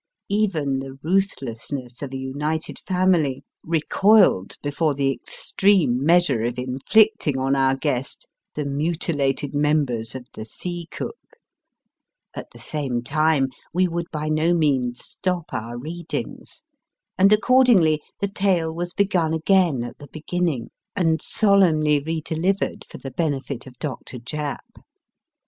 Even the ruthlessness of a united family recoiled 304 MY FIRST BOOK before the extreme measure of inflicting on our guest the mutilated members of The Sea Cook ; at the same time, we would by no means stop our readings ; and accordingly the tale was begun again at the beginning, and solemnly re delivered for the benefit of Dr. Japp.